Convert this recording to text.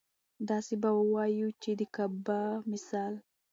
داسې به اووايو چې د ګابا مثال